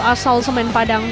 asal semen padang